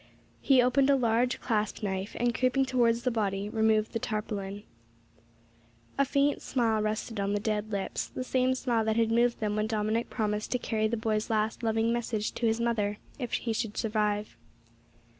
He opened a large clasp knife, and, creeping towards the body, removed the tarpaulin. A faint smile rested on the dead lips the same smile that had moved them when Dominick promised to carry the boy's last loving message to his mother if he should survive.